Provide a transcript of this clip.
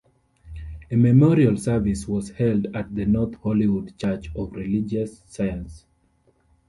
A memorial service was held at the North Hollywood Church of Religious Science.